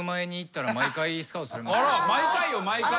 毎回よ毎回。